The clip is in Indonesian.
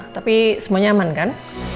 tapi semuanya aman kan